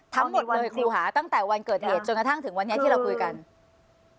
ทั้งหมดเลยครูหาตั้งแต่วันเกิดเหตุจนกระทั่งถึงวันนี้ที่เราคุยกัน